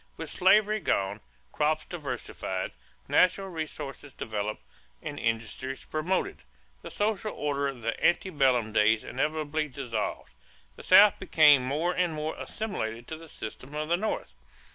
With slavery gone, crops diversified, natural resources developed, and industries promoted, the social order of the ante bellum days inevitably dissolved; the South became more and more assimilated to the system of the North.